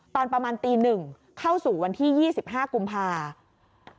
ตอนประมาณตี๑เข้าสู่วันที่๒๕กุมภาคม